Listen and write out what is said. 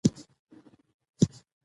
خلک به ويده وي،